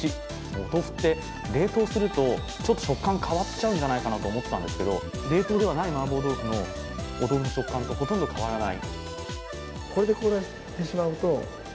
お豆腐って冷凍するとちょっと食感変わっちゃうんじゃないかなと思ったんですけど冷凍ではないマーボー豆腐のお豆腐の食感とほとんど変わらない。